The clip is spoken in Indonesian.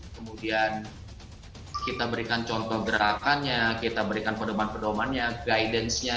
kemudian kita berikan contoh gerakannya kita berikan pedoman pedomannya guidance nya